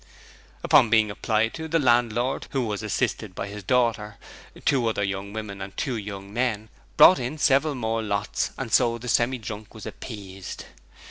Upon being applied to, the landlord, who was assisted by his daughter, two other young women and two young men, brought in several more lots and so the Semi drunk was appeased.